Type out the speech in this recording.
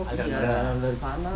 ada dari mana